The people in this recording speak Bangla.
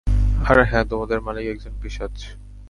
আর হ্যাঁ, তোমাদের মালিক একজন পিশাচ!